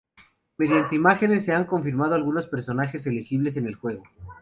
Mediante imágenes, se han confirmado algunos personajes elegibles en el juego.